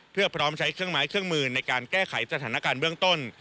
เพื่อพร้อมใช้เครื่องไม้เครื่องมือในการแก้ไขสถานการณ์เบื้องต้น